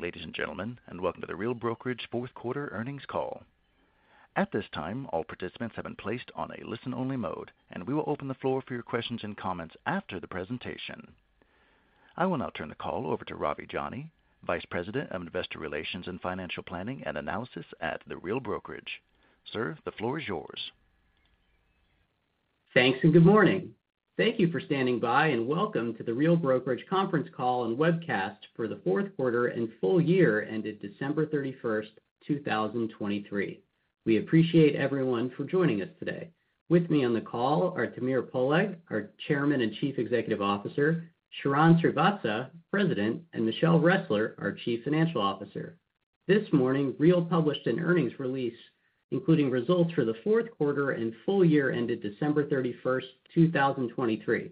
Good morning, ladies and gentlemen, and welcome to the Real Brokerage fourth quarter earnings call. At this time, all participants have been placed on a listen-only mode, and we will open the floor for your questions and comments after the presentation. I will now turn the call over to Ravi Jani, Vice President of Investor Relations and Financial Planning and Analysis at the Real Brokerage. Sir, the floor is yours. Thanks, and good morning. Thank you for standing by, and welcome to the Real Brokerage conference call and webcast for the fourth quarter and full year, ended December 31, 2023. We appreciate everyone for joining us today. With me on the call are Tamir Poleg, our Chairman and Chief Executive Officer, Sharran Srivatsaa, President, and Michelle Ressler, our Chief Financial Officer. This morning, Real published an earnings release, including results for the fourth quarter and full year, ended December 31, 2023.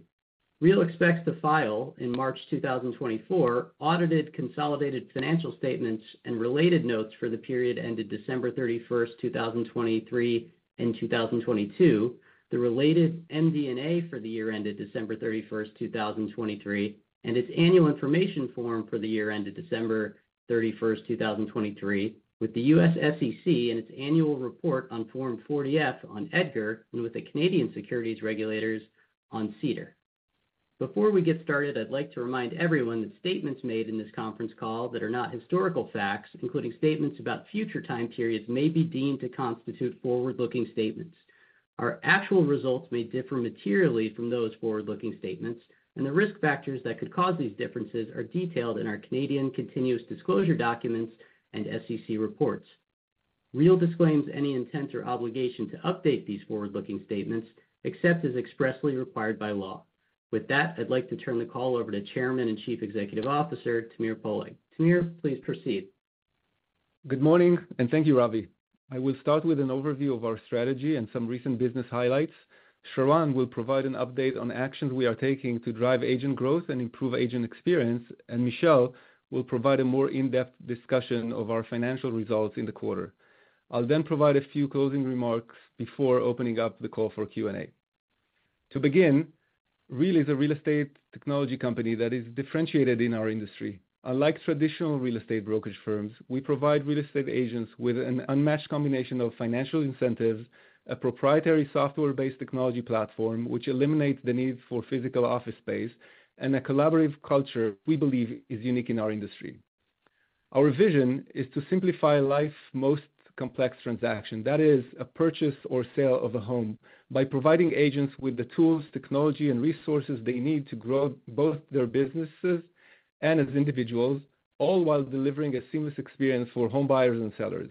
Real expects to file in March 2024 audited consolidated financial statements and related notes for the period ended December 31, 2023 and 2022, the related MD&A for the year ended December 31, 2023, and its Annual Information Form for the year ended December 31, 2023, with the U.S. SEC and its annual report on Form 40-F on EDGAR, and with the Canadian securities regulators on SEDAR. Before we get started, I'd like to remind everyone that statements made in this conference call that are not historical facts, including statements about future time periods, may be deemed to constitute forward-looking statements. Our actual results may differ materially from those forward-looking statements, and the risk factors that could cause these differences are detailed in our Canadian continuous disclosure documents and SEC reports. Real disclaims any intent or obligation to update these forward-looking statements, except as expressly required by law. With that, I'd like to turn the call over to Chairman and Chief Executive Officer, Tamir Poleg. Tamir, please proceed. Good morning, and thank you, Ravi. I will start with an overview of our strategy and some recent business highlights. Sharran will provide an update on actions we are taking to drive agent growth and improve agent experience, and Michelle will provide a more in-depth discussion of our financial results in the quarter. I'll then provide a few closing remarks before opening up the call for Q&A. To begin, Real is a real estate technology company that is differentiated in our industry. Unlike traditional real estate brokerage firms, we provide real estate agents with an unmatched combination of financial incentives, a proprietary software-based technology platform, which eliminates the need for physical office space, and a collaborative culture we believe is unique in our industry. Our vision is to simplify life's most complex transaction, that is, a purchase or sale of a home, by providing agents with the tools, technology, and resources they need to grow both their businesses and as individuals, all while delivering a seamless experience for home buyers and sellers.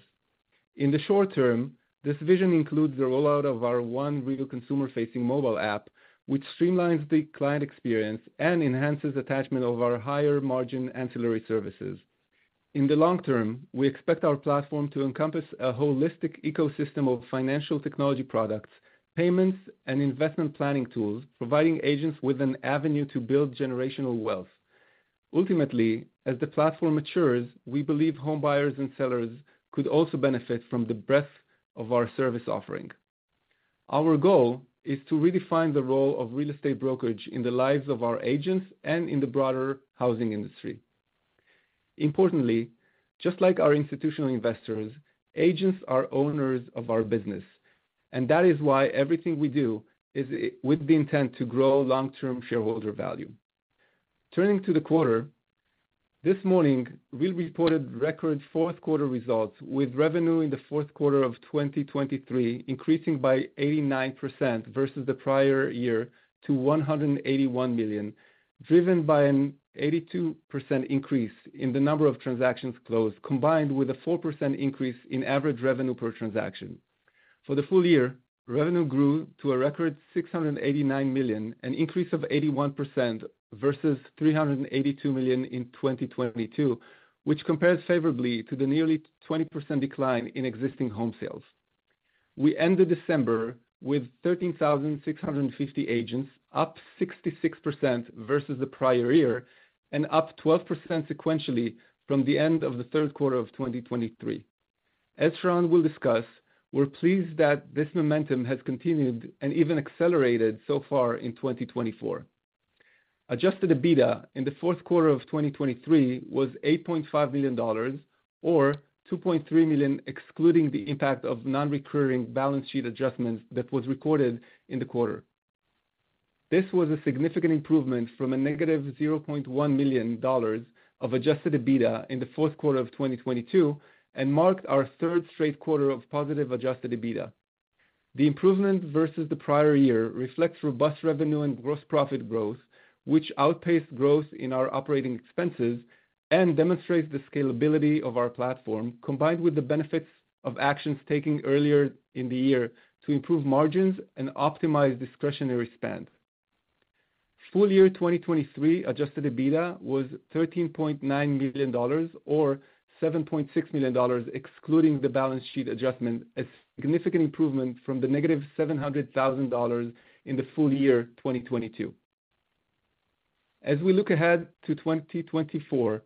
In the short term, this vision includes the rollout of our One Real consumer-facing mobile app, which streamlines the client experience and enhances attachment of our higher-margin ancillary services. In the long term, we expect our platform to encompass a holistic ecosystem of financial technology products, payments, and investment planning tools, providing agents with an avenue to build generational wealth. Ultimately, as the platform matures, we believe home buyers and sellers could also benefit from the breadth of our service offering. Our goal is to redefine the role of real estate brokerage in the lives of our agents and in the broader housing industry. Importantly, just like our institutional investors, agents are owners of our business, and that is why everything we do is, with the intent to grow long-term shareholder value. Turning to the quarter, this morning, we reported record fourth quarter results, with revenue in the fourth quarter of 2023 increasing by 89% versus the prior year to $181 million, driven by an 82% increase in the number of transactions closed, combined with a 4% increase in average revenue per transaction. For the full year, revenue grew to a record $689 million, an increase of 81% versus $382 million in 2022, which compares favorably to the nearly 20% decline in existing home sales. We ended December with 13,650 agents, up 66% versus the prior year, and up 12% sequentially from the end of the third quarter of 2023. As Sharran will discuss, we're pleased that this momentum has continued and even accelerated so far in 2024. Adjusted EBITDA in the fourth quarter of 2023 was $8.5 million, or $2.3 million, excluding the impact of non-recurring balance sheet adjustments that was recorded in the quarter. This was a significant improvement from a negative $0.1 million of adjusted EBITDA in the fourth quarter of 2022 and marked our third straight quarter of positive adjusted EBITDA. The improvement versus the prior year reflects robust revenue and gross profit growth, which outpaced growth in our operating expenses and demonstrates the scalability of our platform, combined with the benefits of actions taking earlier in the year to improve margins and optimize discretionary spend. Full year 2023 Adjusted EBITDA was $13.9 million, or $7.6 million, excluding the balance sheet adjustment, a significant improvement from the -$700,000 in the full year 2022. As we look ahead to 2024,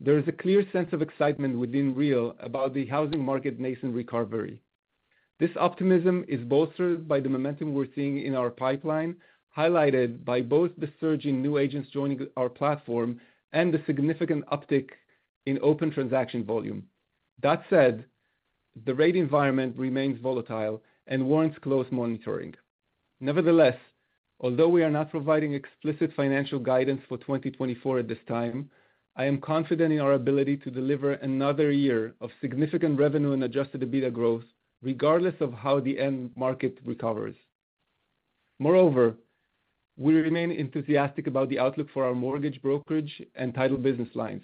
there is a clear sense of excitement within Real about the housing market nascent recovery. This optimism is bolstered by the momentum we're seeing in our pipeline, highlighted by both the surge in new agents joining our platform and the significant uptick in open transaction volume. That said, the rate environment remains volatile and warrants close monitoring. Nevertheless, although we are not providing explicit financial guidance for 2024 at this time, I am confident in our ability to deliver another year of significant revenue and Adjusted EBITDA growth, regardless of how the end market recovers. Moreover, we remain enthusiastic about the outlook for our mortgage brokerage and title business lines.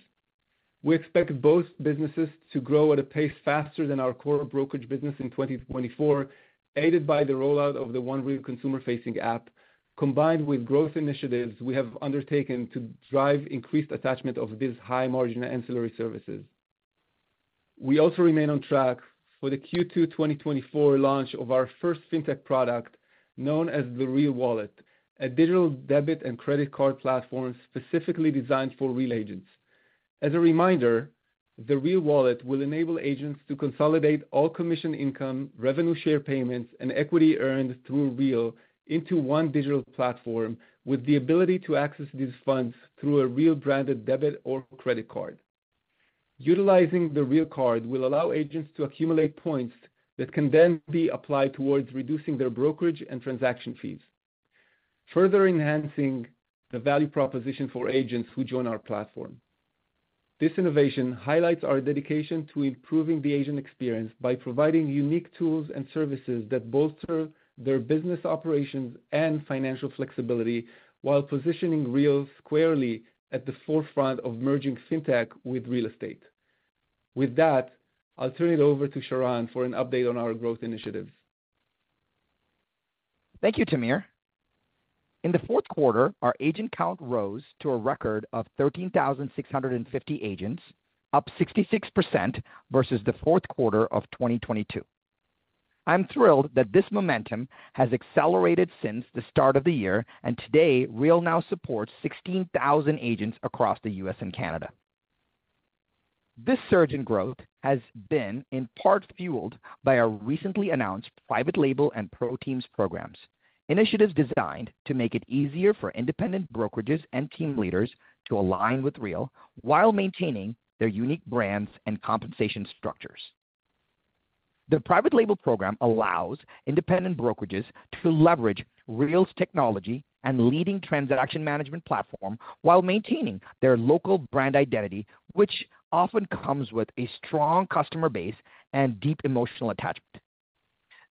We expect both businesses to grow at a pace faster than our core brokerage business in 2024, aided by the rollout of the One Real consumer-facing app, combined with growth initiatives we have undertaken to drive increased attachment of these high-margin ancillary services. We also remain on track for the Q2 2024 launch of our first fintech product, known as the Real Wallet, a digital debit and credit card platform specifically designed for Real agents. As a reminder, the Real Wallet will enable agents to consolidate all commission income, revenue share payments, and equity earned through Real into one digital platform, with the ability to access these funds through a Real-branded debit or credit card. Utilizing the Real card will allow agents to accumulate points that can then be applied towards reducing their brokerage and transaction fees, further enhancing the value proposition for agents who join our platform. This innovation highlights our dedication to improving the agent experience by providing unique tools and services that bolster their business operations and financial flexibility, while positioning Real squarely at the forefront of merging fintech with real estate. With that, I'll turn it over to Sharran for an update on our growth initiatives. Thank you, Tamir. In the fourth quarter, our agent count rose to a record of 13,650 agents, up 66% versus the fourth quarter of 2022. I'm thrilled that this momentum has accelerated since the start of the year, and today, Real now supports 16,000 agents across the U.S. and Canada. This surge in growth has been in part fueled by our recently announced Private Label and ProTeams programs, initiatives designed to make it easier for independent brokerages and team leaders to align with Real while maintaining their unique brands and compensation structures. The Private Label program allows independent brokerages to leverage Real's technology and leading transaction management platform while maintaining their local brand identity, which often comes with a strong customer base and deep emotional attachment.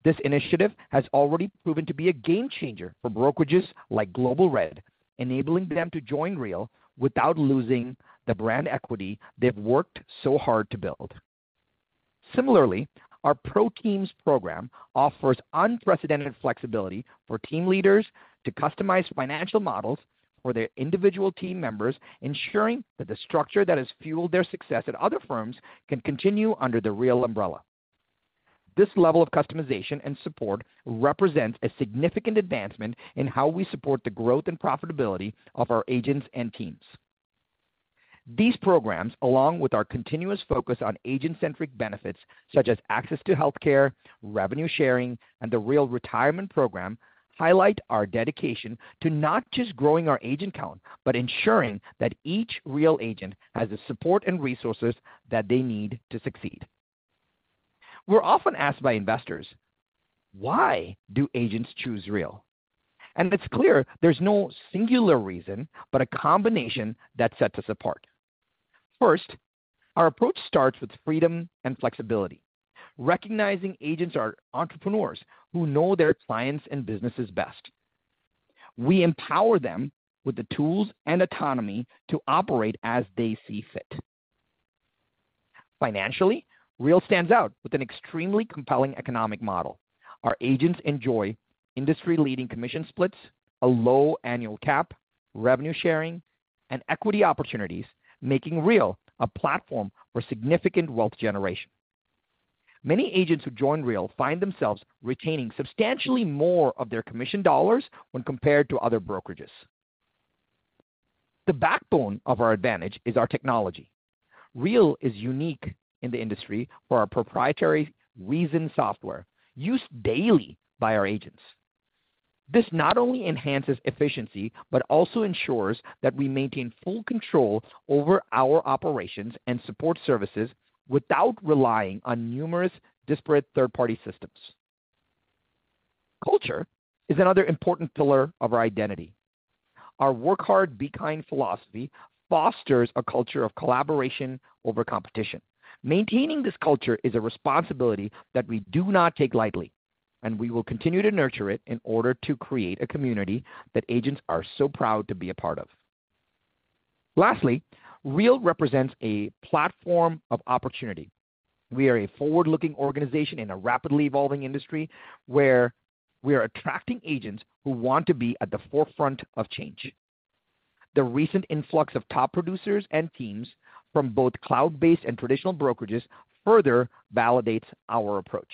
This initiative has already proven to be a game changer for brokerages like Globl RED, enabling them to join Real without losing the brand equity they've worked so hard to build. Similarly, our ProTeams program offers unprecedented flexibility for team leaders to customize financial models for their individual team members, ensuring that the structure that has fueled their success at other firms can continue under the Real umbrella. This level of customization and support represents a significant advancement in how we support the growth and profitability of our agents and teams. These programs, along with our continuous focus on agent-centric benefits, such as access to healthcare, revenue sharing, and the Real Retirement program, highlight our dedication to not just growing our agent count, but ensuring that each Real agent has the support and resources that they need to succeed. We're often asked by investors: Why do agents choose Real? It's clear there's no singular reZEN, but a combination that sets us apart. First, our approach starts with freedom and flexibility, recognizing agents are entrepreneurs who know their clients and businesses best. We empower them with the tools and autonomy to operate as they see fit. Financially, Real stands out with an extremely compelling economic model. Our agents enjoy industry-leading commission splits, a low annual cap, revenue sharing, and equity opportunities, making Real a platform for significant wealth generation. Many agents who join Real find themselves retaining substantially more of their commission dollars when compared to other brokerages. The backbone of our advantage is our technology. Real is unique in the industry for our proprietary reason software, used daily by our agents. This not only enhances efficiency, but also ensures that we maintain full control over our operations and support services without relying on numerous disparate third-party systems. Culture is another important pillar of our identity. Our work hard, be kind philosophy fosters a culture of collaboration over competition. Maintaining this culture is a responsibility that we do not take lightly, and we will continue to nurture it in order to create a community that agents are so proud to be a part of. Lastly, Real represents a platform of opportunity. We are a forward-looking organization in a rapidly evolving industry, where we are attracting agents who want to be at the forefront of change. The recent influx of top producers and teams from both cloud-based and traditional brokerages further validates our approach.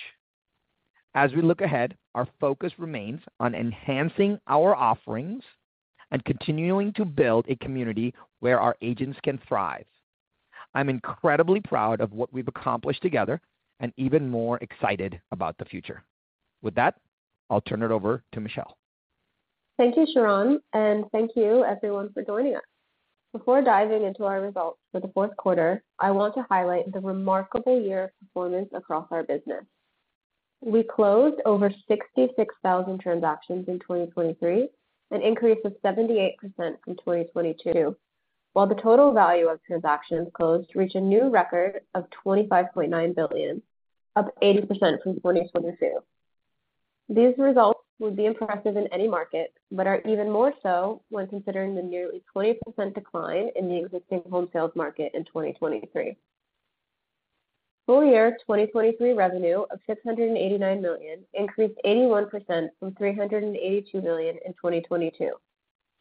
As we look ahead, our focus remains on enhancing our offerings and continuing to build a community where our agents can thrive.... I'm incredibly proud of what we've accomplished together and even more excited about the future. With that, I'll turn it over to Michelle. Thank you, Sharran, and thank you everyone for joining us. Before diving into our results for the fourth quarter, I want to highlight the remarkable year of performance across our business. We closed over 66,000 transactions in 2023, an increase of 78% from 2022, while the total value of transactions closed reached a new record of $25.9 billion, up 80% from 2022. These results would be impressive in any market, but are even more so when considering the nearly 20% decline in the existing home sales market in 2023. Full year 2023 revenue of $689 million increased 81% from $382 million in 2022,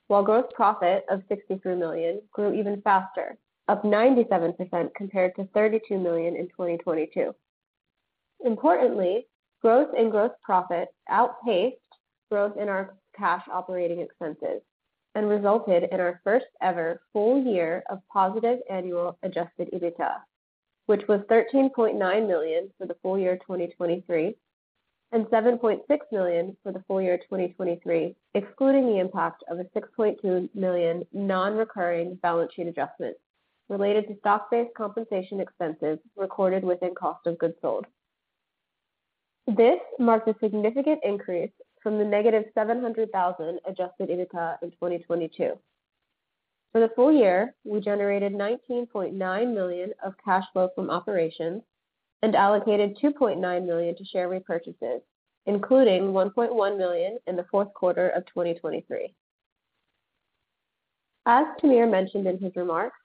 while gross profit of $63 million grew even faster, up 97% compared to $32 million in 2022. Importantly, growth in gross profit outpaced growth in our cash operating expenses and resulted in our first-ever full year of positive annual Adjusted EBITDA, which was $13.9 million for the full year 2023, and $7.6 million for the full year 2023, excluding the impact of a $6.2 million non-recurring balance sheet adjustment related to stock-based compensation expenses recorded within cost of goods sold. This marks a significant increase from the -$700,000 Adjusted EBITDA in 2022. For the full year, we generated $19.9 million of cash flow from operations and allocated $2.9 million to share repurchases, including $1.1 million in the fourth quarter of 2023. As Tamir mentioned in his remarks,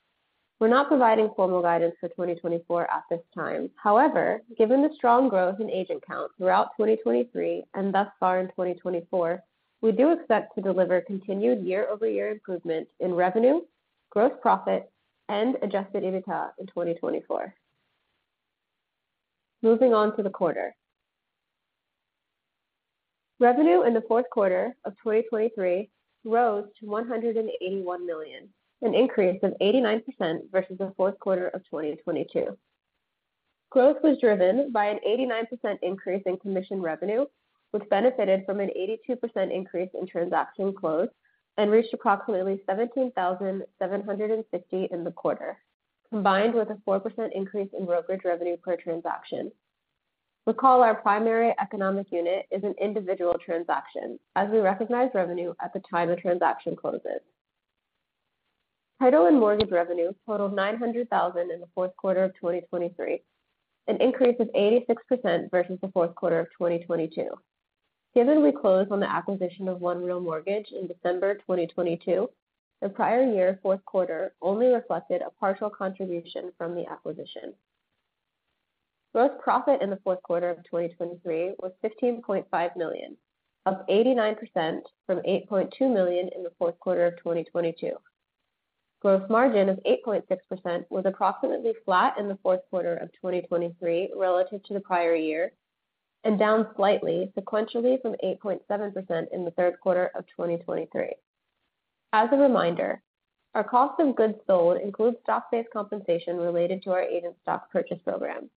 we're not providing formal guidance for 2024 at this time. However, given the strong growth in agent count throughout 2023 and thus far in 2024, we do expect to deliver continued year-over-year improvement in revenue, gross profit, and Adjusted EBITDA in 2024. Moving on to the quarter. Revenue in the fourth quarter of 2023 rose to $181 million, an increase of 89% versus the fourth quarter of 2022. Growth was driven by an 89% increase in commission revenue, which benefited from an 82% increase in transaction closed and reached approximately 17,750 in the quarter, combined with a 4% increase in brokerage revenue per transaction. Recall, our primary economic unit is an individual transaction, as we recognize revenue at the time a transaction closes. Title and mortgage revenue totaled $900,000 in the fourth quarter of 2023, an increase of 86% versus the fourth quarter of 2022. Given we closed on the acquisition of One Real Mortgage in December 2022, the prior year fourth quarter only reflected a partial contribution from the acquisition. Gross profit in the fourth quarter of 2023 was $15.5 million, up 89% from $8.2 million in the fourth quarter of 2022. Gross margin of 8.6% was approximately flat in the fourth quarter of 2023 relative to the prior year, and down slightly sequentially from 8.7% in the third quarter of 2023. As a reminder, our cost of goods sold includes stock-based compensation related to our agent stock purchase program.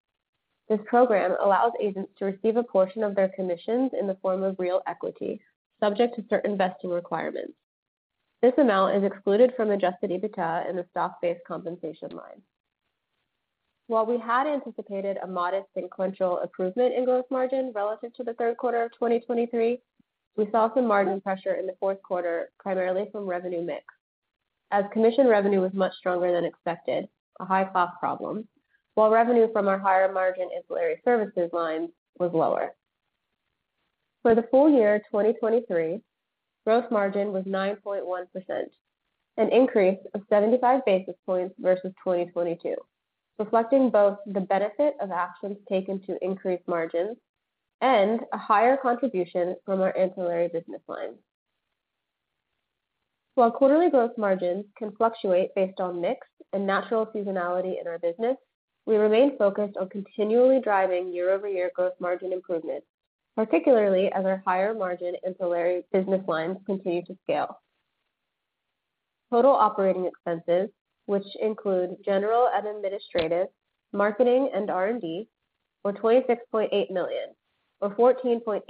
This program allows agents to receive a portion of their commissions in the form of Real equity, subject to certain vesting requirements. This amount is excluded from Adjusted EBITDA in the stock-based compensation line. While we had anticipated a modest sequential improvement in gross margin relative to the third quarter of 2023, we saw some margin pressure in the fourth quarter, primarily from revenue mix, as commission revenue was much stronger than expected, a high-cost problem, while revenue from our higher-margin ancillary services line was lower. For the full year 2023, gross margin was 9.1%, an increase of 75 basis points versus 2022, reflecting both the benefit of actions taken to increase margins and a higher contribution from our ancillary business lines. While quarterly gross margins can fluctuate based on mix and natural seasonality in our business, we remain focused on continually driving year-over-year gross margin improvement, particularly as our higher-margin ancillary business lines continue to scale. Total operating expenses, which include general and administrative, marketing, and R&D, were $26.8 million, or 14.8%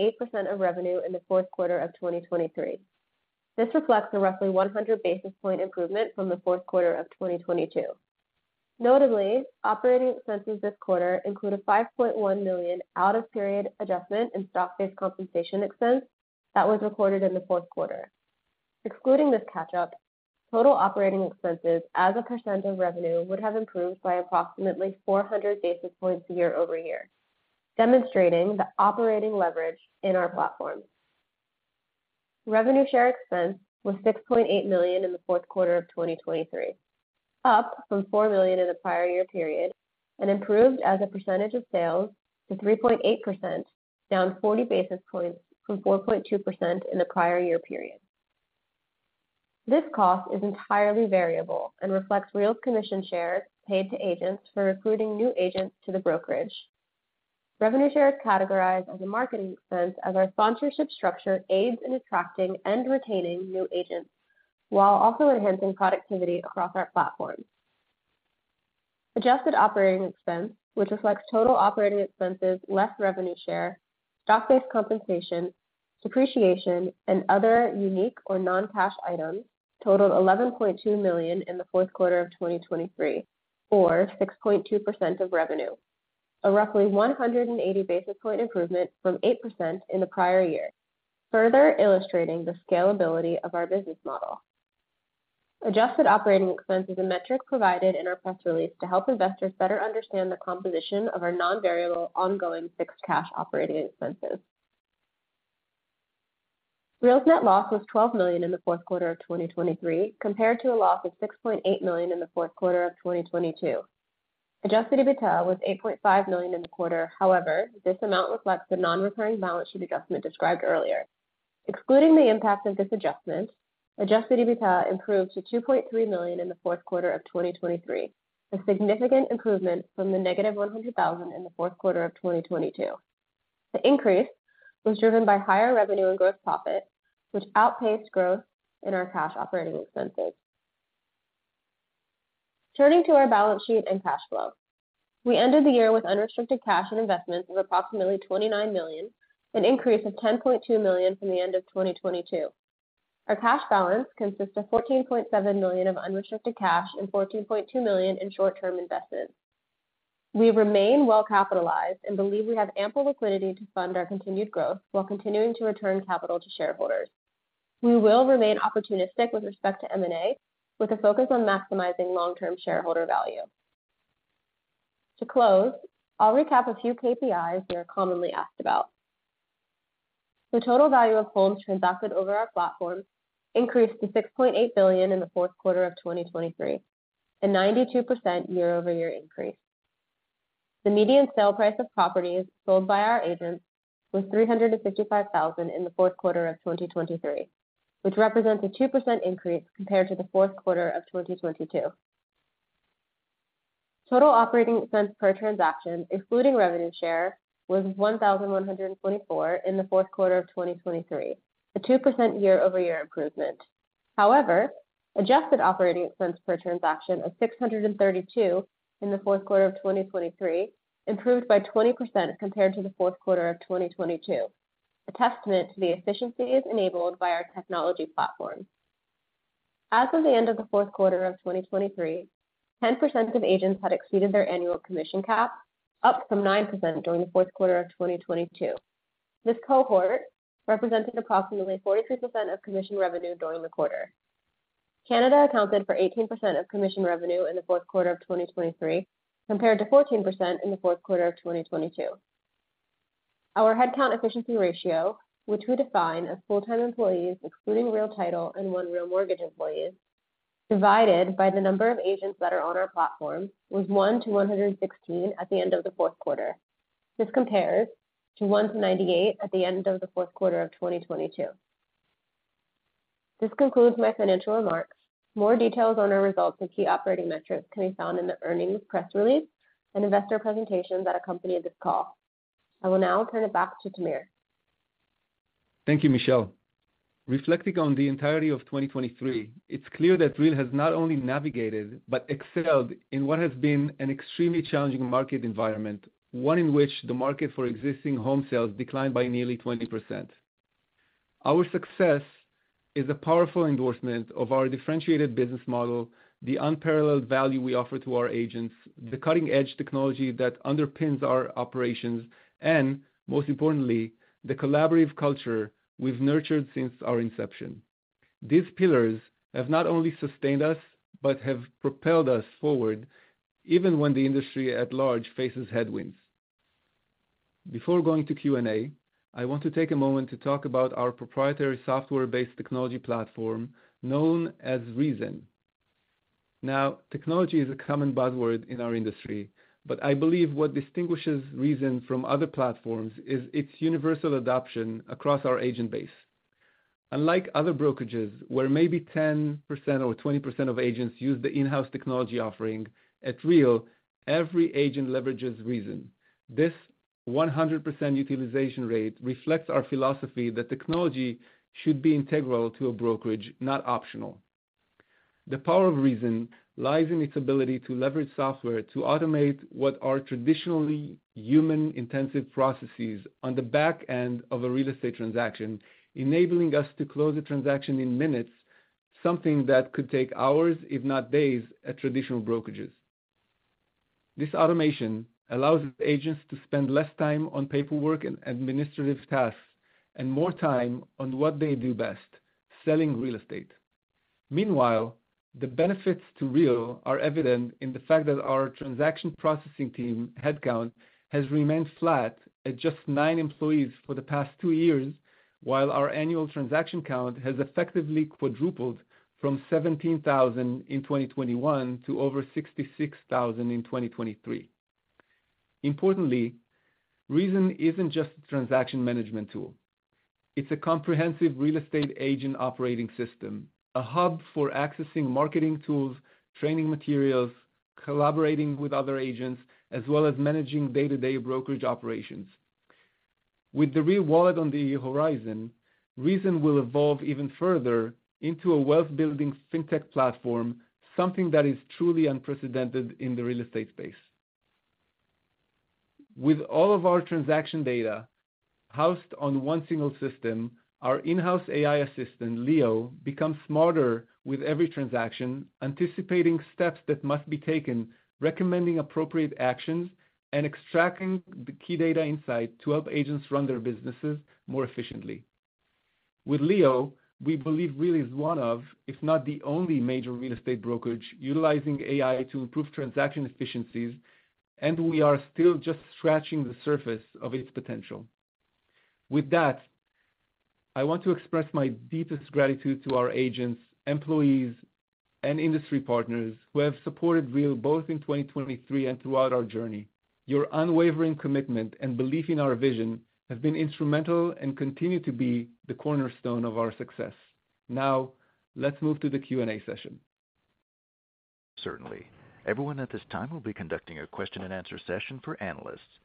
of revenue in the fourth quarter of 2023. This reflects a roughly 100 basis points improvement from the fourth quarter of 2022. Notably, operating expenses this quarter include a $5.1 million out-of-period adjustment in stock-based compensation expense that was recorded in the fourth quarter. Excluding this catch-up, total operating expenses as a percent of revenue, would have improved by approximately 400 basis points year-over-year, demonstrating the operating leverage in our platform. Revenue share expense was $6.8 million in the fourth quarter of 2023, up from $4 million in the prior year period and improved as a percentage of sales to 3.8%, down 40 basis points from 4.2% in the prior year period. This cost is entirely variable and reflects Real commission shares paid to agents for recruiting new agents to the brokerage.... Revenue share is categorized as a marketing expense, as our sponsorship structure aids in attracting and retaining new agents, while also enhancing productivity across our platforms. Adjusted operating expense, which reflects total operating expenses less revenue share, stock-based compensation, depreciation, and other unique or non-cash items, totaled $11.2 million in the fourth quarter of 2023, or 6.2% of revenue, a roughly 180 basis point improvement from 8% in the prior year, further illustrating the scalability of our business model. Adjusted operating expense is a metric provided in our press release to help investors better understand the composition of our non-variable, ongoing fixed cash operating expenses. Real's net loss was $12 million in the fourth quarter of 2023, compared to a loss of $6.8 million in the fourth quarter of 2022. Adjusted EBITDA was $8.5 million in the quarter. However, this amount reflects the non-recurring balance sheet adjustment described earlier. Excluding the impact of this adjustment, Adjusted EBITDA improved to $2.3 million in the fourth quarter of 2023, a significant improvement from negative $100,000 in the fourth quarter of 2022. The increase was driven by higher revenue and gross profit, which outpaced growth in our cash operating expenses. Turning to our balance sheet and cash flow. We ended the year with unrestricted cash and investments of approximately $29 million, an increase of $10.2 million from the end of 2022. Our cash balance consists of $14.7 million of unrestricted cash and $14.2 million in short-term investments. We remain well-capitalized and believe we have ample liquidity to fund our continued growth while continuing to return capital to shareholders. We will remain opportunistic with respect to M&A, with a focus on maximizing long-term shareholder value. To close, I'll recap a few KPIs we are commonly asked about. The total value of homes transacted over our platforms increased to $6.8 billion in the fourth quarter of 2023, a 92% year-over-year increase. The median sale price of properties sold by our agents was $355,000 in the fourth quarter of 2023, which represents a 2% increase compared to the fourth quarter of 2022. Total operating expense per transaction, excluding revenue share, was $1,124 in the fourth quarter of 2023, a 2% year-over-year improvement. However, adjusted operating expense per transaction of $632 in the fourth quarter of 2023 improved by 20% compared to the fourth quarter of 2022, a testament to the efficiencies enabled by our technology platform. As of the end of the fourth quarter of 2023, 10% of agents had exceeded their annual commission cap, up from 9% during the fourth quarter of 2022. This cohort represented approximately 43% of commission revenue during the quarter. Canada accounted for 18% of commission revenue in the fourth quarter of 2023, compared to 14% in the fourth quarter of 2022. Our headcount efficiency ratio, which we define as full-time employees, excluding Real Title and One Real Mortgage employees, divided by the number of agents that are on our platform, was 1 to 116 at the end of the fourth quarter. This compares to 1 to 98 at the end of the fourth quarter of 2022. This concludes my financial remarks. More details on our results and key operating metrics can be found in the earnings press release and investor presentations that accompany this call. I will now turn it back to Tamir. Thank you, Michelle. Reflecting on the entirety of 2023, it's clear that Real has not only navigated, but excelled in what has been an extremely challenging market environment, one in which the market for existing home sales declined by nearly 20%. Our success is a powerful endorsement of our differentiated business model, the unparalleled value we offer to our agents, the cutting-edge technology that underpins our operations, and, most importantly, the collaborative culture we've nurtured since our inception. These pillars have not only sustained us, but have propelled us forward, even when the industry at large faces headwinds. Before going to Q&A, I want to take a moment to talk about our proprietary software-based technology platform, known as Reason. Now, technology is a common buzzword in our industry, but I believe what distinguishes reZEN from other platforms is its universal adoption across our agent base. Unlike other brokerages, where maybe 10% or 20% of agents use the in-house technology offering, at Real, every agent leverages reZEN. This 100% utilization rate reflects our philosophy that technology should be integral to a brokerage, not optional. The power of reZEN lies in its ability to leverage software to automate what are traditionally human-intensive processes on the back end of a real estate transaction, enabling us to close a transaction in minutes, something that could take hours, if not days, at traditional brokerages. This automation allows agents to spend less time on paperwork and administrative tasks, and more time on what they do best, selling real estate. Meanwhile, the benefits to Real are evident in the fact that our transaction processing team headcount has remained flat at just nine employees for the past two years, while our annual transaction count has effectively quadrupled from 17,000 in 2021 to over 66,000 in 2023. Importantly, reZEN isn't just a transaction management tool.... It's a comprehensive real estate agent operating system, a hub for accessing marketing tools, training materials, collaborating with other agents, as well as managing day-to-day brokerage operations. With the Real Wallet on the horizon, reZEN will evolve even further into a wealth-building fintech platform, something that is truly unprecedented in the real estate space. With all of our transaction data housed on one single system, our in-house AI assistant, Leo, becomes smarter with every transaction, anticipating steps that must be taken, recommending appropriate actions, and extracting the key data insight to help agents run their businesses more efficiently. With Leo, we believe Real is one of, if not the only, major real estate brokerage utilizing AI to improve transaction efficiencies, and we are still just scratching the surface of its potential. With that, I want to express my deepest gratitude to our agents, employees, and industry partners who have supported Real both in 2023 and throughout our journey. Your unwavering commitment and belief in our vision have been instrumental and continue to be the cornerstone of our success. Now, let's move to the Q&A session. Certainly. Everyone at this time will be conducting a question-and-answer session for analysts.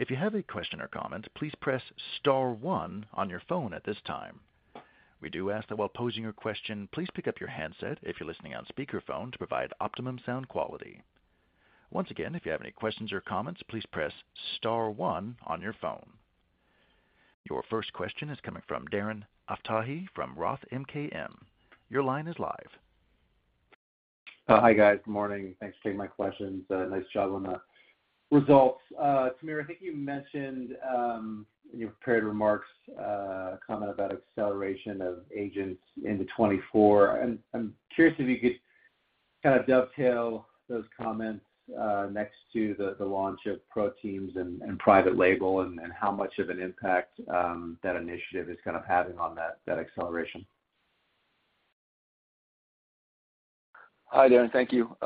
If you have a question or comment, please press star one on your phone at this time. We do ask that while posing your question, please pick up your handset if you're listening on speakerphone, to provide optimum sound quality. Once again, if you have any questions or comments, please press star one on your phone. Your first question is coming from Darren Aftahi from Roth MKM. Your line is live. Hi, guys. Good morning. Thanks for taking my questions. Nice job on the results. Tamir, I think you mentioned in your prepared remarks a comment about acceleration of agents into 2024. I'm curious if you could kind of dovetail those comments next to the launch of ProTeams and Private Label, and how much of an impact that initiative is kind of having on that acceleration. Hi, Darren. Thank you.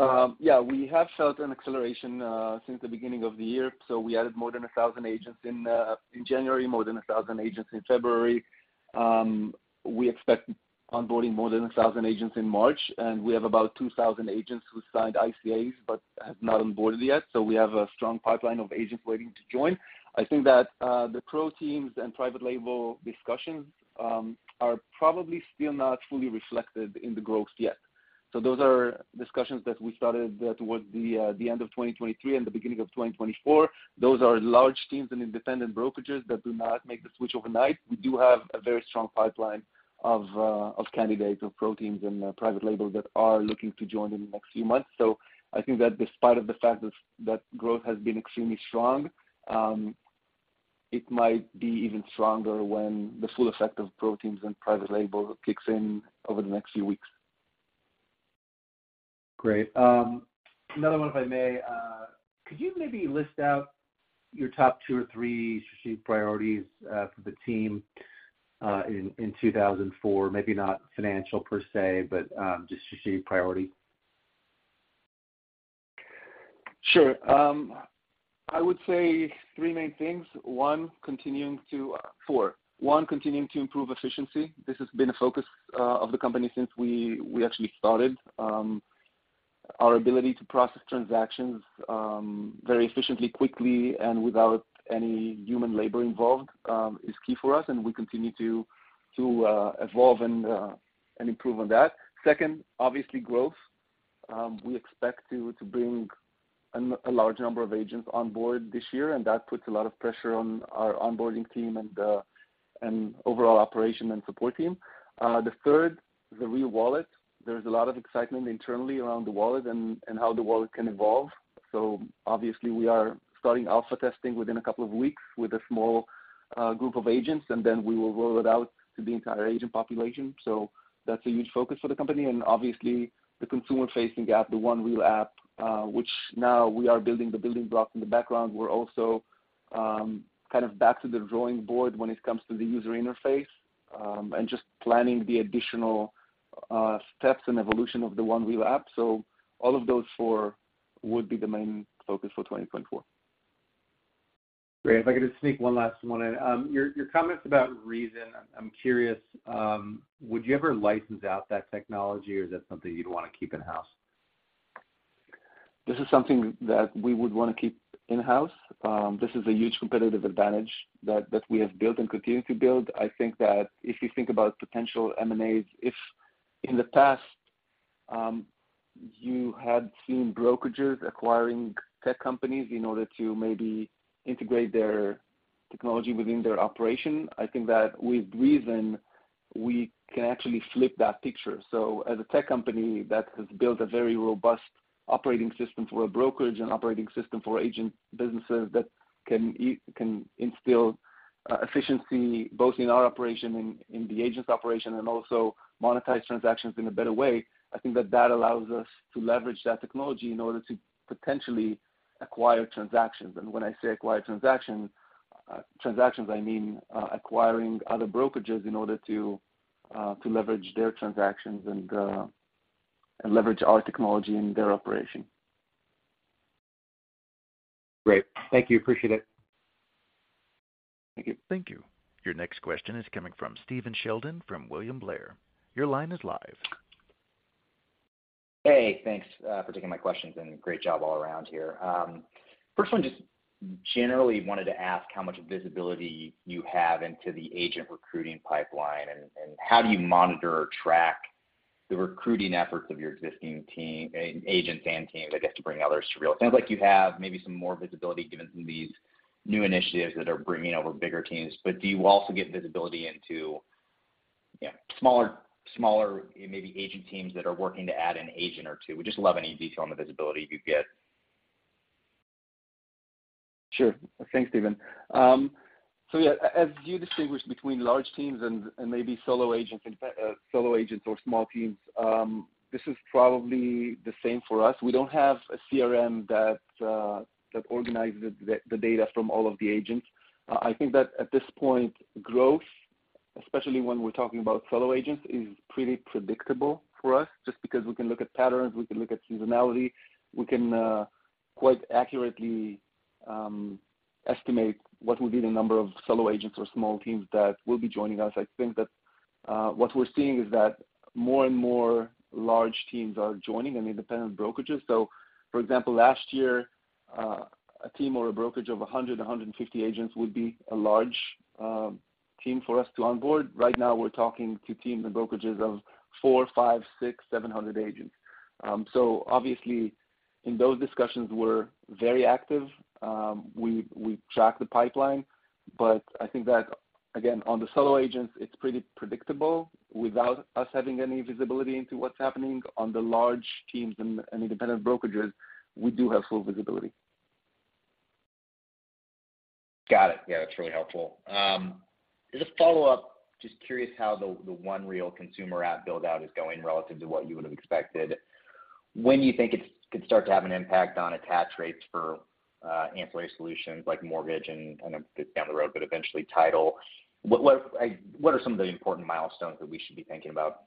Yeah, we have felt an acceleration since the beginning of the year. So we added more than 1,000 agents in January, more than 1,000 agents in February. We expect onboarding more than 1,000 agents in March, and we have about 2,000 agents who signed ICAs but have not onboarded yet. So we have a strong pipeline of agents waiting to join. I think that the ProTeams and Private Label discussions are probably still not fully reflected in the growth yet. So those are discussions that we started towards the end of 2023 and the beginning of 2024. Those are large teams and independent brokerages that do not make the switch overnight. We do have a very strong pipeline of of candidates of ProTeams and Private Label that are looking to join in the next few months. So I think that despite of the fact that growth has been extremely strong, it might be even stronger when the full effect of ProTeams and Private Label kicks in over the next few weeks. Great. Another one, if I may. Could you maybe list out your top two or three strategic priorities for the team in 2004? Maybe not financial per se, but just strategic priority. Sure. I would say three main things. One, continuing to improve efficiency. This has been a focus of the company since we actually started. Our ability to process transactions very efficiently, quickly, and without any human labor involved is key for us, and we continue to evolve and improve on that. Second, obviously growth. We expect to bring a large number of agents on board this year, and that puts a lot of pressure on our onboarding team and overall operation and support team. The third, the Real Wallet. There's a lot of excitement internally around the wallet and how the wallet can evolve. Obviously, we are starting alpha testing within a couple of weeks with a small group of agents, and then we will roll it out to the entire agent population. That's a huge focus for the company. Obviously, the consumer-facing app, the One Real app, which now we are building the building block in the background. We're also kind of back to the drawing board when it comes to the user interface, and just planning the additional steps and evolution of the One Real app. All of those four would be the main focus for 2024. Great. If I could just sneak one last one in. Your comments about reZEN, I'm curious, would you ever license out that technology, or is that something you'd want to keep in-house? This is something that we would want to keep in-house. This is a huge competitive advantage that we have built and continue to build. I think that if you think about potential M&As, if in the past you had seen brokerages acquiring tech companies in order to maybe integrate their technology within their operation, I think that with reZEN, we can actually flip that picture. So as a tech company that has built a very robust operating system for a brokerage and operating system for agent businesses that can instill efficiency, both in our operation and in the agent's operation, and also monetize transactions in a better way, I think that that allows us to leverage that technology in order to potentially acquire transactions. When I say acquire transaction, transactions, I mean, acquiring other brokerages in order to, to leverage their transactions and, and leverage our technology in their operation.... Great. Thank you. Appreciate it. Thank you. Thank you. Your next question is coming from Stephen Sheldon from William Blair. Your line is live. Hey, thanks, for taking my questions and great job all around here. First one, just generally wanted to ask how much visibility you have into the agent recruiting pipeline, and how do you monitor or track the recruiting efforts of your existing team- agents and teams, I guess, to bring others to Real. Sounds like you have maybe some more visibility given some of these new initiatives that are bringing over bigger teams, but do you also get visibility into, smaller, maybe agent teams that are working to add an agent or two? Would just love any detail on the visibility you get. Sure. Thanks, Stephen. So yeah, as you distinguish between large teams and, and maybe solo agents and solo agents or small teams, this is probably the same for us. We don't have a CRM that organizes the data from all of the agents. I think that at this point, growth, especially when we're talking about solo agents, is pretty predictable for us, just because we can look at patterns, we can look at seasonality, we can quite accurately estimate what will be the number of solo agents or small teams that will be joining us. I think that what we're seeing is that more and more large teams are joining and independent brokerages. So for example, last year, a team or a brokerage of 100, 150 agents would be a large team for us to onboard. Right now, we're talking to teams and brokerages of 400, 500, 600, 700 agents. So obviously, in those discussions, we're very active. We track the pipeline, but I think that, again, on the solo agents, it's pretty predictable without us having any visibility into what's happening on the large teams and independent brokerages, we do have full visibility. Got it. Yeah, that's really helpful. As a follow-up, just curious how the One Real consumer app build-out is going relative to what you would have expected. When you think it could start to have an impact on attach rates for ancillary solutions like mortgage and down the road, but eventually title, what are some of the important milestones that we should be thinking about?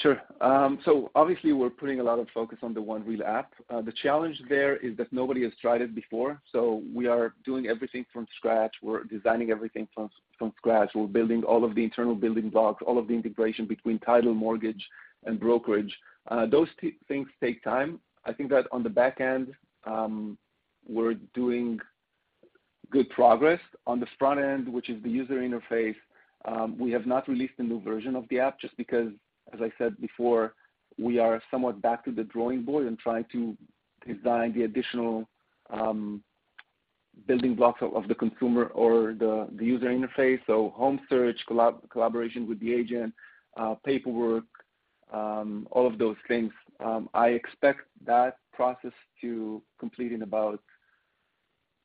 Sure. So obviously, we're putting a lot of focus on the One Real app. The challenge there is that nobody has tried it before, so we are doing everything from scratch. We're designing everything from scratch. We're building all of the internal building blocks, all of the integration between title, mortgage, and brokerage. Those things take time. I think that on the back end, we're doing good progress. On this front end, which is the user interface, we have not released a new version of the app just because, as I said before, we are somewhat back to the drawing board and trying to design the additional building blocks of the consumer or the user interface, so home search, collaboration with the agent, paperwork, all of those things. I expect that process to complete in about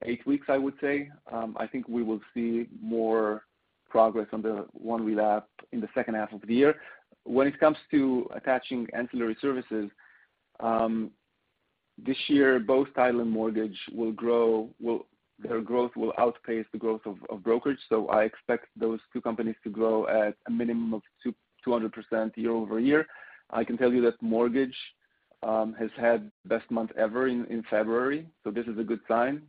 eight weeks, I would say. I think we will see more progress on the One Real app in the second half of the year. When it comes to attaching ancillary services, this year, both title and mortgage will grow their growth will outpace the growth of brokerage. So I expect those two companies to grow at a minimum of 200% year-over-year. I can tell you that mortgage has had the best month ever in February, so this is a good sign.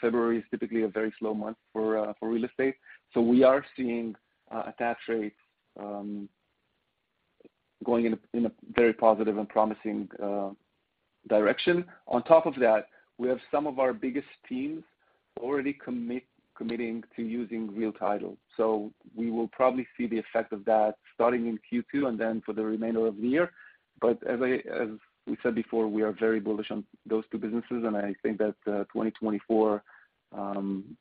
February is typically a very slow month for real estate. So we are seeing attach rates going in a very positive and promising direction. On top of that, we have some of our biggest teams already committing to using Real Title. So we will probably see the effect of that starting in Q2 and then for the remainder of the year. But as we said before, we are very bullish on those two businesses, and I think that, 2024,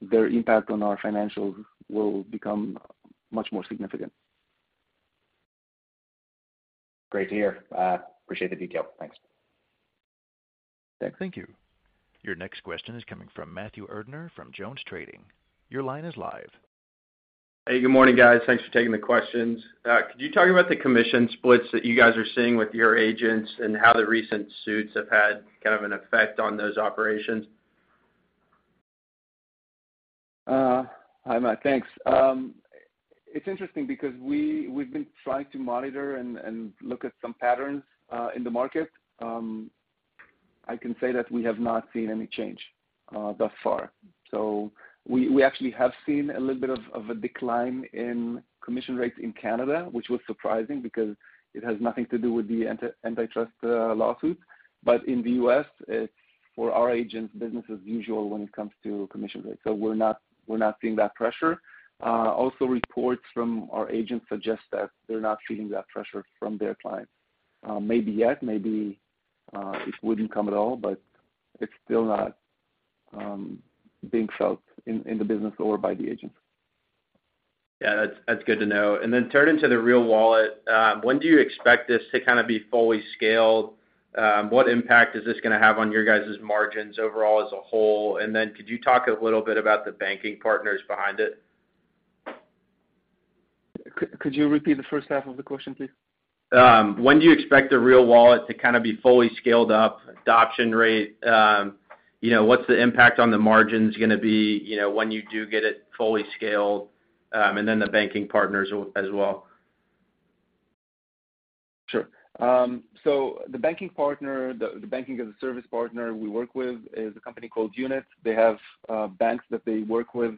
their impact on our financials will become much more significant. Great to hear. Appreciate the detail. Thanks. Thank- Thank you. Your next question is coming from Matthew Erdner from JonesTrading. Your line is live. Hey, good morning, guys. Thanks for taking the questions. Could you talk about the commission splits that you guys are seeing with your agents and how the recent suits have had kind of an effect on those operations? Hi, Matt. Thanks. It's interesting because we've been trying to monitor and look at some patterns in the market. I can say that we have not seen any change thus far. So we actually have seen a little bit of a decline in commission rates in Canada, which was surprising because it has nothing to do with the antitrust lawsuit. But in the U.S., it's for our agents, business as usual when it comes to commission rates. So we're not seeing that pressure. Also, reports from our agents suggest that they're not feeling that pressure from their clients. Maybe yet, maybe it wouldn't come at all, but it's still not being felt in the business or by the agents. Yeah, that's, that's good to know. And then turning to the Real Wallet, when do you expect this to kind of be fully scaled? What impact is this gonna have on your guys' margins overall as a whole? And then could you talk a little bit about the banking partners behind it? Could you repeat the first half of the question, please? When do you expect the Real Wallet to kind of be fully scaled up, adoption rate? You know, what's the impact on the margins gonna be, you know, when you do get it fully scaled, and then the banking partners as well?... Sure. So the banking partner, the banking as a service partner we work with is a company called Unit. They have banks that they work with,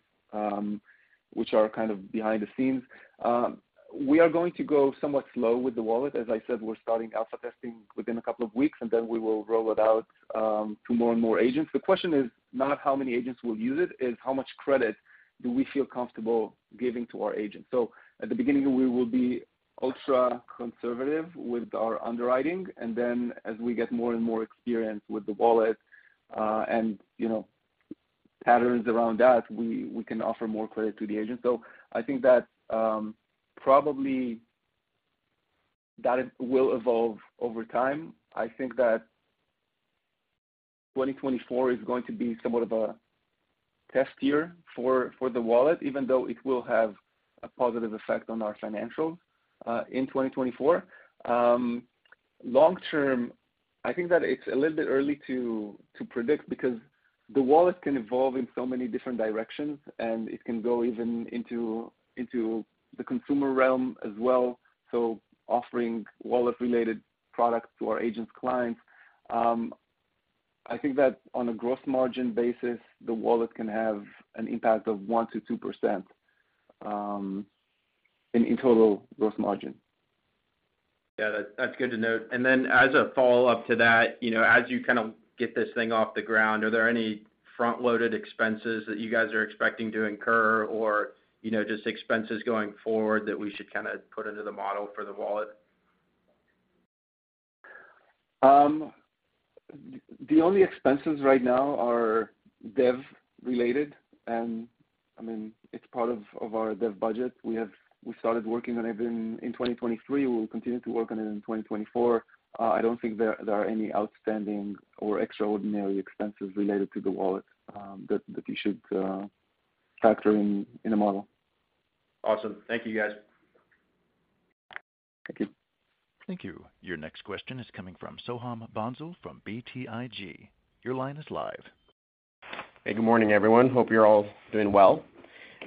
which are kind of behind the scenes. We are going to go somewhat slow with the wallet. As I said, we're starting alpha testing within a couple of weeks, and then we will roll it out to more and more agents. The question is not how many agents will use it, is how much credit do we feel comfortable giving to our agents? So at the beginning, we will be ultra-conservative with our underwriting, and then as we get more and more experienced with the wallet, and you know, patterns around that, we can offer more credit to the agents. So I think that probably that will evolve over time. I think that 2024 is going to be somewhat of a test year for the wallet, even though it will have a positive effect on our financials in 2024. Long term, I think that it's a little bit early to predict because the wallet can evolve in so many different directions, and it can go even into the consumer realm as well, so offering wallet-related products to our agents' clients. I think that on a gross margin basis, the wallet can have an impact of 1%-2% in total gross margin. Yeah, that's good to note. And then as a follow-up to that, you know, as you kind of get this thing off the ground, are there any front-loaded expenses that you guys are expecting to incur or, you know, just expenses going forward that we should kinda put into the model for the wallet? The only expenses right now are dev related, and, I mean, it's part of our dev budget. We started working on it in 2023. We'll continue to work on it in 2024. I don't think there are any outstanding or extraordinary expenses related to the wallet that you should factor in the model. Awesome. Thank you, guys. Thank you. Thank you. Your next question is coming from Soham Bhonsle from BTIG. Your line is live. Hey, good morning, everyone. Hope you're all doing well.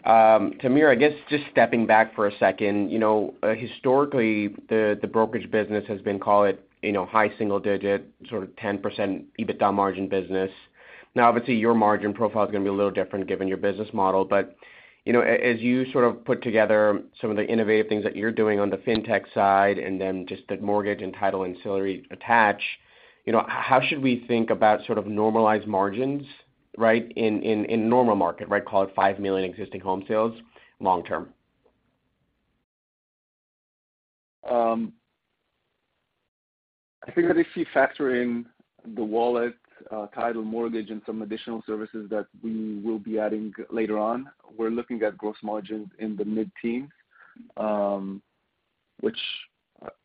Tamir, I guess just stepping back for a second, you know, historically, the brokerage business has been, call it, you know, high single digit, sort of 10% EBITDA margin business. Now, obviously, your margin profile is going to be a little different given your business model, but, you know, as you sort of put together some of the innovative things that you're doing on the fintech side and then just the mortgage and title ancillary attach, you know, how should we think about sort of normalized margins, right, in, in normal market, right? Call it 5 million existing home sales long term. I think if you factor in the wallet, title, mortgage, and some additional services that we will be adding later on, we're looking at gross margins in the mid-teens, which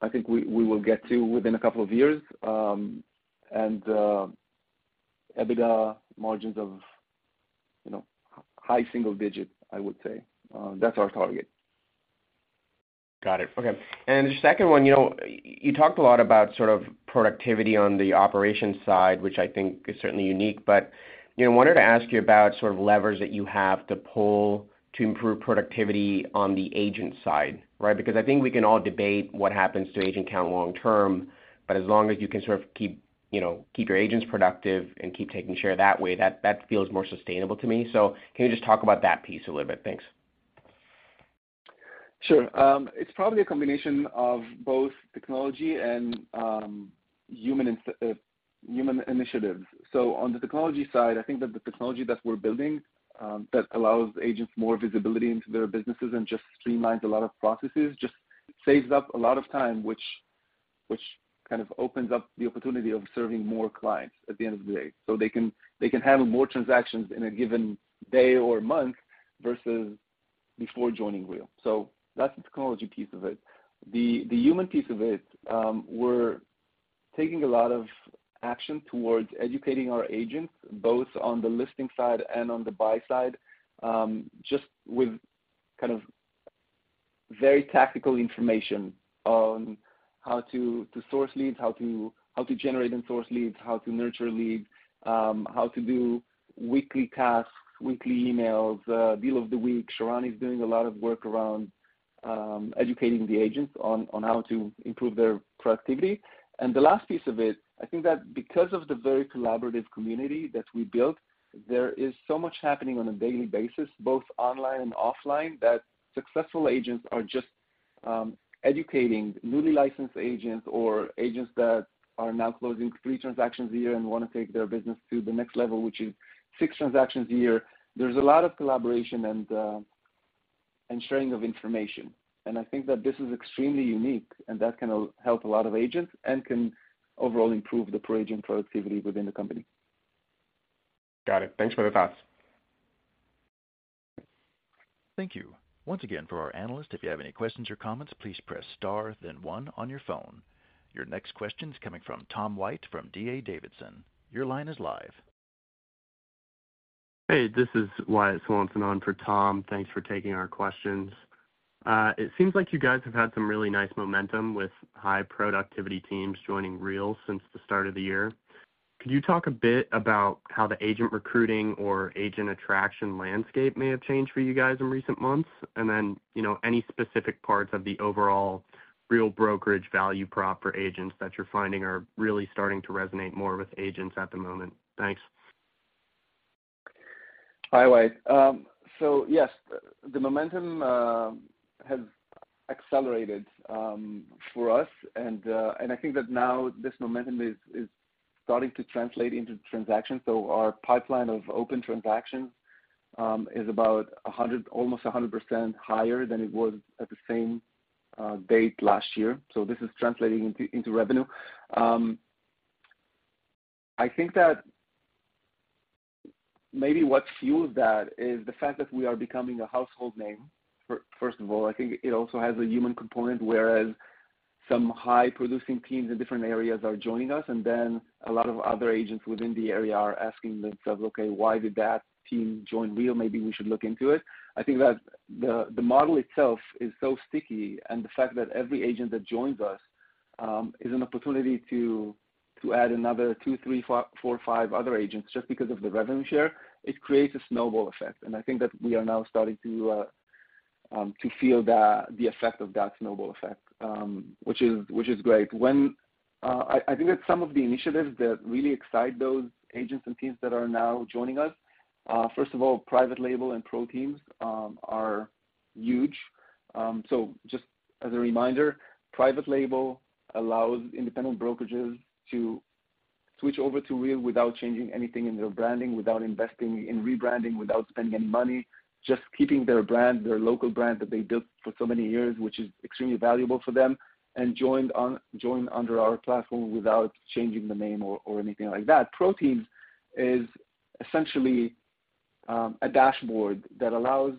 I think we will get to within a couple of years. And EBITDA margins of, you know, high single digit, I would say. That's our target. Got it. Okay. And the second one, you know, you talked a lot about sort of productivity on the operations side, which I think is certainly unique, but, you know, I wanted to ask you about sort of levers that you have to pull to improve productivity on the agent side, right? Because I think we can all debate what happens to agent count long term, but as long as you can sort of keep, you know, keep your agents productive and keep taking share that way, that, that feels more sustainable to me. So can you just talk about that piece a little bit? Thanks. Sure. It's probably a combination of both technology and human initiatives. So on the technology side, I think that the technology that we're building that allows agents more visibility into their businesses and just streamlines a lot of processes, just saves up a lot of time, which, which kind of opens up the opportunity of serving more clients at the end of the day. So they can, they can handle more transactions in a given day or month versus before joining Real. So that's the technology piece of it. The human piece of it, we're taking a lot of action towards educating our agents, both on the listing side and on the buy side, just with kind of very tactical information on how to source leads, how to generate and source leads, how to nurture leads, how to do weekly tasks, weekly emails, deal of the week. Sharran is doing a lot of work around educating the agents on how to improve their productivity. The last piece of it, I think that because of the very collaborative community that we built, there is so much happening on a daily basis, both online and offline, that successful agents are just educating newly licensed agents or agents that are now closing three transactions a year and want to take their business to the next level, which is six transactions a year. There's a lot of collaboration and, and sharing of information, and I think that this is extremely unique, and that can help a lot of agents and can overall improve the per-agent productivity within the company. Got it. Thanks for the thoughts. Thank you. Once again, for our analyst, if you have any questions or comments, please press star, then one on your phone. Your next question is coming from Tom White from D.A. Davidson. Your line is live. Hey, this is Wyatt Swanson on for Tom. Thanks for taking our questions. It seems like you guys have had some really nice momentum with high productivity teams joining Real since the start of the year... Could you talk a bit about how the agent recruiting or agent attraction landscape may have changed for you guys in recent months? And then, you know, any specific parts of the overall Real brokerage value prop for agents that you're finding are really starting to resonate more with agents at the moment? Thanks. Hi, Wyatt. So yes, the momentum has accelerated for us. And and I think that now this momentum is starting to translate into transactions. So our pipeline of open transactions is about 100—almost 100% higher than it was at the same date last year. So this is translating into revenue. I think that maybe what fueled that is the fact that we are becoming a household name, first of all. I think it also has a human component, whereas some high-producing teams in different areas are joining us, and then a lot of other agents within the area are asking themselves: "Okay, why did that team join Real? Maybe we should look into it." I think that the model itself is so sticky, and the fact that every agent that joins us is an opportunity to add another 2, 3, 4, 5 other agents, just because of the revenue share, it creates a snowball effect. And I think that we are now starting to feel the effect of that snowball effect, which is great. When I think that some of the initiatives that really excite those agents and teams that are now joining us, first of all, Private Label and ProTeams, are huge. So just as a reminder, Private Label allows independent brokerages to switch over to Real without changing anything in their branding, without investing in rebranding, without spending any money. Just keeping their brand, their local brand that they built for so many years, which is extremely valuable for them, and joined under our platform without changing the name or, or anything like that. ProTeams is essentially a dashboard that allows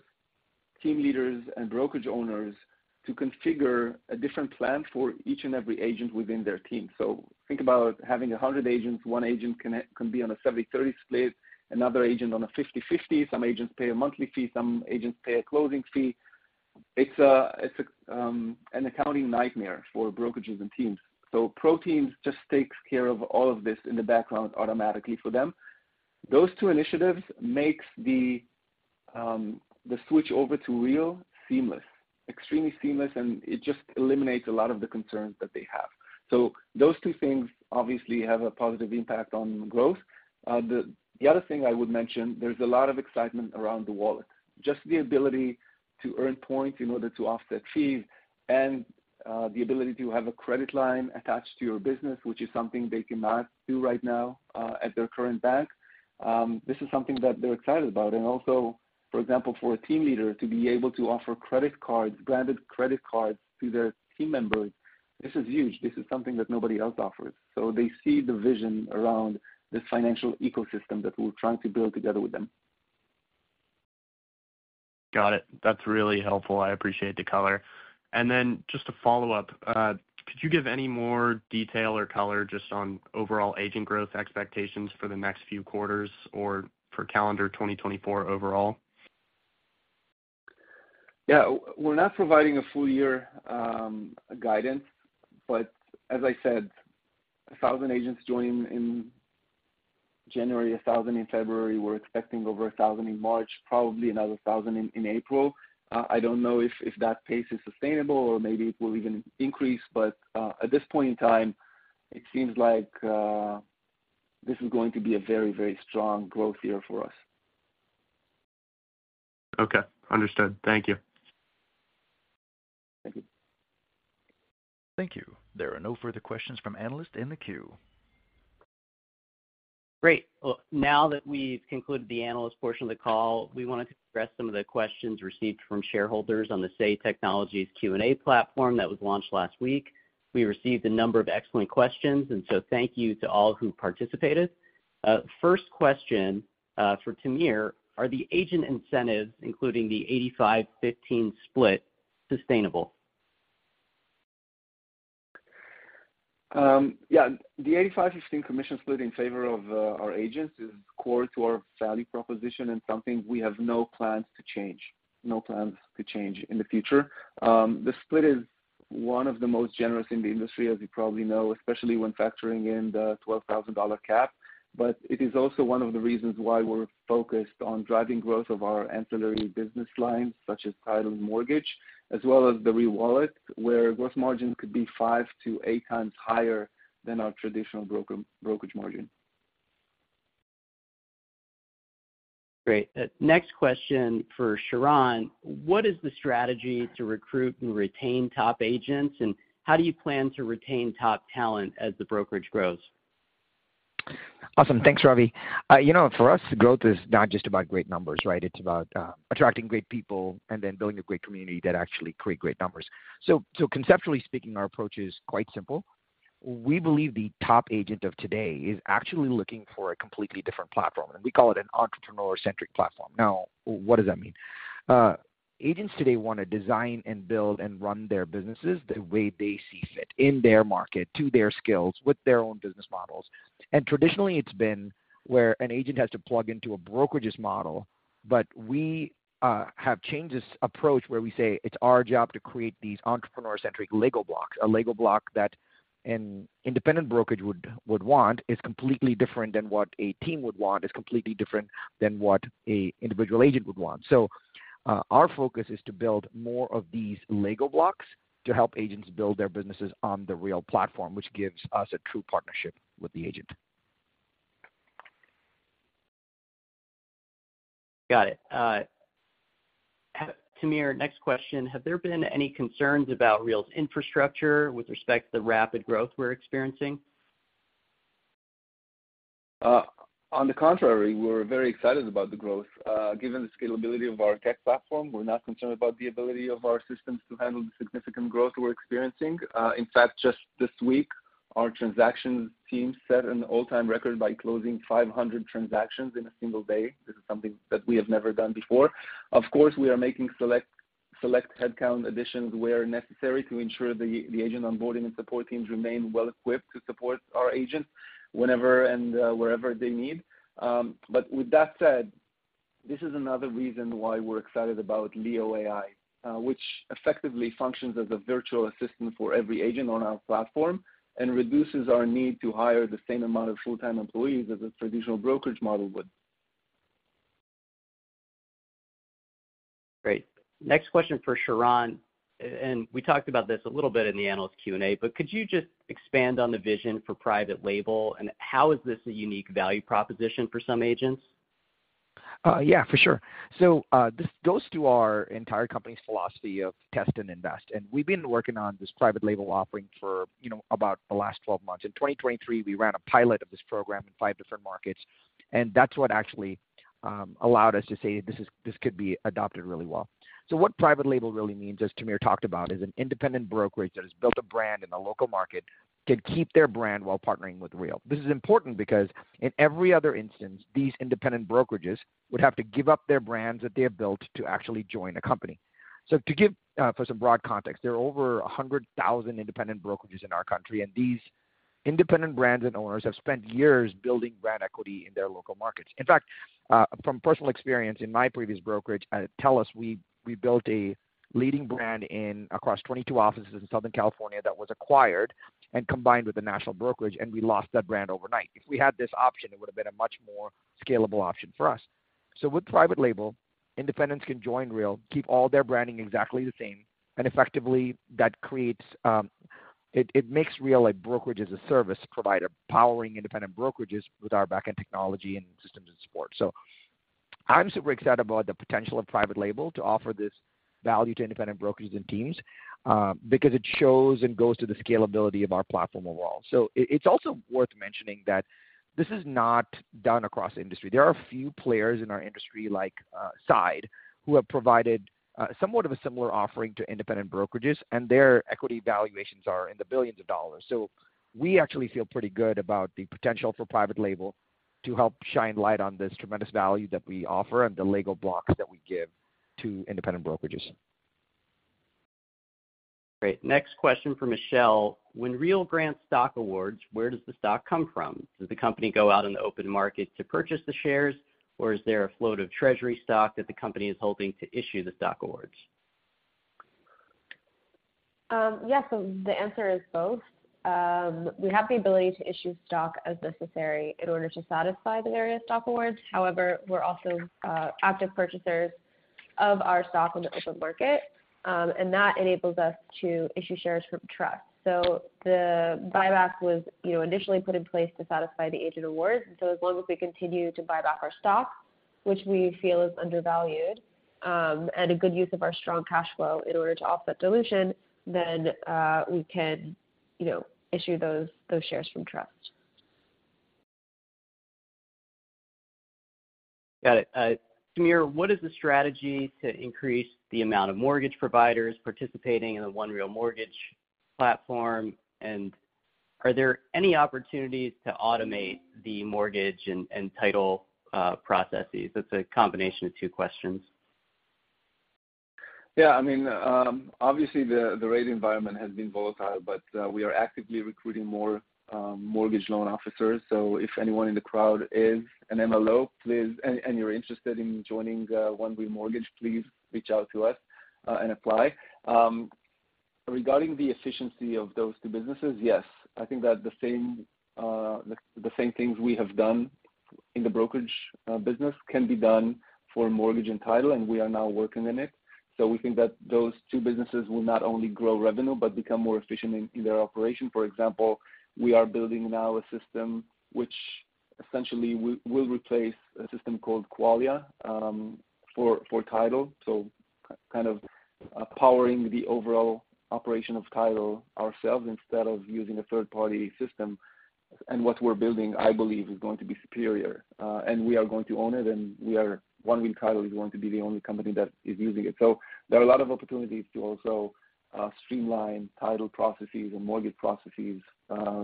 team leaders and brokerage owners to configure a different plan for each and every agent within their team. So think about having 100 agents, one agent can be on a 70/30 split, another agent on a 50/50. Some agents pay a monthly fee, some agents pay a closing fee. It's an accounting nightmare for brokerages and teams. So ProTeams just takes care of all of this in the background automatically for them. Those two initiatives makes the switch over to Real seamless, extremely seamless, and it just eliminates a lot of the concerns that they have. So those two things obviously have a positive impact on growth. The other thing I would mention, there's a lot of excitement around the wallet. Just the ability to earn points in order to offset fees and the ability to have a credit line attached to your business, which is something they cannot do right now at their current bank. This is something that they're excited about. And also, for example, for a team leader to be able to offer credit cards, branded credit cards to their team members, this is huge. This is something that nobody else offers. So they see the vision around this financial ecosystem that we're trying to build together with them. Got it. That's really helpful. I appreciate the color. And then just to follow up, could you give any more detail or color just on overall agent growth expectations for the next few quarters or for calendar 2024 overall? Yeah. We're not providing a full year guidance. But as I said, 1,000 agents joined in January, 1,000 in February. We're expecting over 1,000 in March, probably another 1,000 in April. I don't know if that pace is sustainable or maybe it will even increase, but at this point in time, it seems like this is going to be a very, very strong growth year for us. Okay, understood. Thank you. Thank you. Thank you. There are no further questions from analysts in the queue. Great. Well, now that we've concluded the analyst portion of the call, we want to address some of the questions received from shareholders on the Say Technologies Q&A platform that was launched last week. We received a number of excellent questions, and so thank you to all who participated. First question, for Tamir: Are the agent incentives, including the 85/15 split, sustainable? The 85/15 commission split in favor of our agents is core to our value proposition and something we have no plans to change, no plans to change in the future. The split is one of the most generous in the industry, as you probably know, especially when factoring in the $12,000 cap. But it is also one of the reasons why we're focused on driving growth of our ancillary business lines, such as title and mortgage, as well as the Real Wallet, where gross margin could be 5-8x higher than our traditional brokerage margin. Great. Next question for Sharran: What is the strategy to recruit and retain top agents, and how do you plan to retain top talent as the brokerage grows? Awesome. Thanks, Ravi. You know, for us, growth is not just about great numbers, right? It's about attracting great people and then building a great community that actually create great numbers. So, conceptually speaking, our approach is quite simple. We believe the top agent of today is actually looking for a completely different platform, and we call it an entrepreneur-centric platform. Now, what does that mean? Agents today wanna design and build and run their businesses the way they see fit, in their market, to their skills, with their own business models. And traditionally, it's been where an agent has to plug into a brokerage's model... but we have changed this approach where we say it's our job to create these entrepreneur-centric Lego blocks. A Lego block that an independent brokerage would want is completely different than what a team would want, is completely different than what a individual agent would want. So, our focus is to build more of these Lego blocks to help agents build their businesses on the Real platform, which gives us a true partnership with the agent. Got it. Tamir, next question: Have there been any concerns about Real's infrastructure with respect to the rapid growth we're experiencing? On the contrary, we're very excited about the growth. Given the scalability of our tech platform, we're not concerned about the ability of our systems to handle the significant growth we're experiencing. In fact, just this week, our transactions team set an all-time record by closing 500 transactions in a single day. This is something that we have never done before. Of course, we are making select headcount additions where necessary to ensure the agent onboarding and support teams remain well-equipped to support our agents whenever and wherever they need. But with that said, this is another reason why we're excited about Leo AI, which effectively functions as a virtual assistant for every agent on our platform and reduces our need to hire the same amount of full-time employees as a traditional brokerage model would. Great. Next question for Sharran, and we talked about this a little bit in the analyst Q&A, but could you just expand on the vision for Private Label, and how is this a unique value proposition for some agents? Yeah, for sure. So, this goes to our entire company's philosophy of test and invest, and we've been working on this Private Label offering for, you know, about the last 12 months. In 2023, we ran a pilot of this program in five different markets, and that's what actually allowed us to say, this could be adopted really well. So what Private Label really means, as Tamir talked about, is an independent brokerage that has built a brand in the local market, can keep their brand while partnering with Real. This is important because in every other instance, these independent brokerages would have to give up their brands that they have built to actually join a company. So to give for some broad context, there are over 100,000 independent brokerages in our country, and these independent brands and owners have spent years building brand equity in their local markets. In fact, from personal experience in my previous brokerage, at Teles, we built a leading brand in across 22 offices in Southern California that was acquired and combined with a national brokerage, and we lost that brand overnight. If we had this option, it would have been a much more scalable option for us. So with Private Label, independents can join Real, keep all their branding exactly the same, and effectively that creates, it makes Real a brokerage as a service provider, powering independent brokerages with our backend technology and systems and support. So I'm super excited about the potential of Private Label to offer this value to independent brokerages and teams, because it shows and goes to the scalability of our platform overall. So it, it's also worth mentioning that this is not done across the industry. There are a few players in our industry like, Side, who have provided, somewhat of a similar offering to independent brokerages, and their equity valuations are in the billions of dollars. So we actually feel pretty good about the potential for Private Label to help shine light on this tremendous value that we offer and the Lego blocks that we give to independent brokerages. Great. Next question for Michelle. When Real grants stock awards, where does the stock come from? Does the company go out in the open market to purchase the shares, or is there a float of treasury stock that the company is hoping to issue the stock awards? Yes, so the answer is both. We have the ability to issue stock as necessary in order to satisfy the various stock awards. However, we're also active purchasers of our stock in the open market, and that enables us to issue shares from trust. So the buyback was, you know, initially put in place to satisfy the agent awards. So as long as we continue to buy back our stock, which we feel is undervalued, and a good use of our strong cash flow in order to offset dilution, then we can, you know, issue those, those shares from trust. Got it. Tamir, what is the strategy to increase the amount of mortgage providers participating in the One Real Mortgage platform? And are there any opportunities to automate the mortgage and title processes? That's a combination of two questions. Yeah, I mean, obviously, the rate environment has been volatile, but we are actively recruiting more mortgage loan officers. So if anyone in the crowd is an MLO, please, and you're interested in joining One Real Mortgage, please reach out to us and apply. Regarding the efficiency of those two businesses, yes. I think that the same things we have done in the brokerage business can be done for mortgage and title, and we are now working on it. So we think that those two businesses will not only grow revenue, but become more efficient in their operation. For example, we are building now a system which essentially will replace a system called Qualia for title. So kind of powering the overall operation of title ourselves instead of using a third-party system. What we're building, I believe, is going to be superior, and we are going to own it. One Real Title is going to be the only company that is using it. So there are a lot of opportunities to also streamline title processes and mortgage processes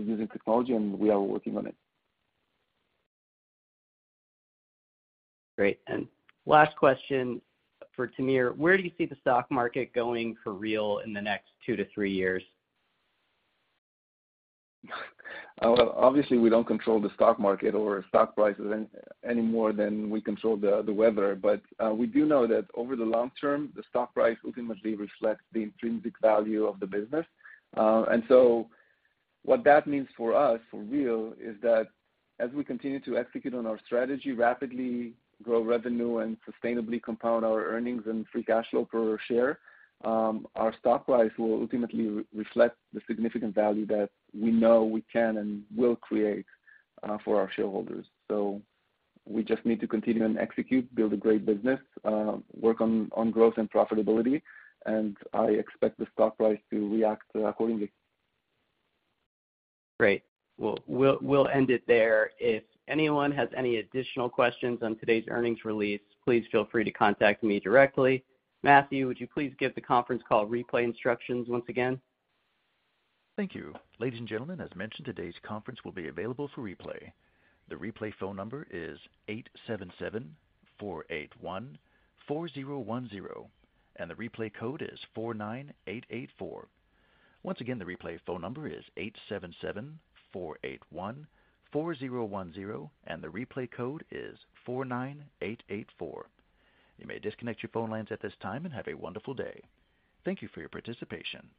using technology, and we are working on it. Great. Last question for Tamir. Where do you see the stock market going for Real in the next two-three years? Well, obviously, we don't control the stock market or stock prices any more than we control the weather, but we do know that over the long term, the stock price ultimately reflects the intrinsic value of the business. And so what that means for us, for Real, is that as we continue to execute on our strategy, rapidly grow revenue, and sustainably compound our earnings and free cash flow per share, our stock price will ultimately reflect the significant value that we know we can and will create for our shareholders. So we just need to continue and execute, build a great business, work on growth and profitability, and I expect the stock price to react accordingly. Great. Well, we'll, we'll end it there. If anyone has any additional questions on today's earnings release, please feel free to contact me directly. Matthew, would you please give the conference call replay instructions once again? Thank you. Ladies and gentlemen, as mentioned, today's conference will be available for replay. The replay phone number is 877-481-4010, and the replay code is 49884. Once again, the replay phone number is 877-481-4010, and the replay code is 49884. You may disconnect your phone lines at this time and have a wonderful day. Thank you for your participation.